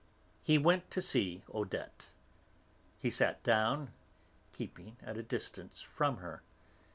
He went to see Odette. He sat down, keeping at a distance from her.